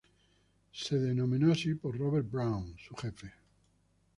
Se denominó así por Robert Brown, su jefe.